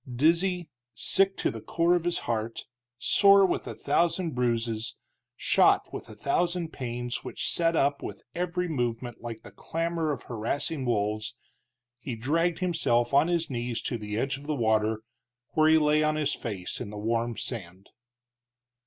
Dizzy, sick to the core of his heart, sore with a thousand bruises, shot with a thousand pains which set up with every movement like the clamor of harassing wolves, he dragged himself on his knees to the edge of the water, where he lay on his face in the warm sand.